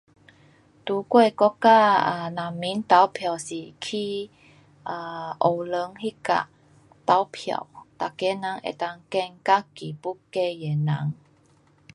在我的国家，啊人民投票是去啊学堂那角投票，每个人能够选自己要选的人。